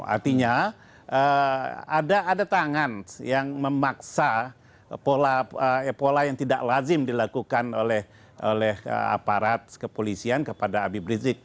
artinya ada tangan yang memaksa pola yang tidak lazim dilakukan oleh aparat kepolisian kepada abib rizik